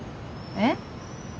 えっ？